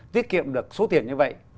tiết kiệm được số tiền như vậy